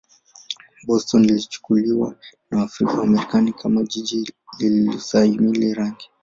Boston ilichukuliwa na Waafrika-Wamarekani kama jiji lisilostahimili rangi.